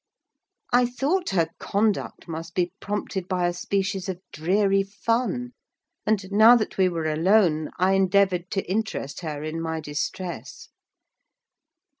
I thought her conduct must be prompted by a species of dreary fun; and, now that we were alone, I endeavoured to interest her in my distress.